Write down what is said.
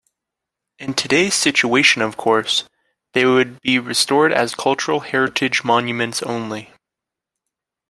In today's situation of course, they would be restored as cultural heritage monuments only.